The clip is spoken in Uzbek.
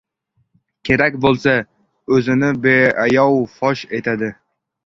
kerak bo‘lsa, o‘zini beayov fosh etadi.